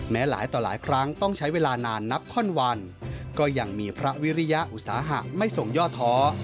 หลายต่อหลายครั้งต้องใช้เวลานานนับข้อนวันก็ยังมีพระวิริยอุตสาหะไม่ทรงย่อท้อ